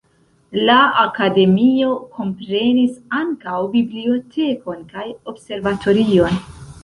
La akademio komprenis ankaŭ bibliotekon kaj observatorion.